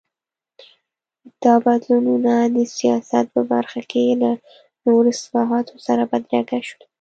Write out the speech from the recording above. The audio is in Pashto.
دا بدلونونه د سیاست په برخه کې له نورو اصلاحاتو سره بدرګه شول.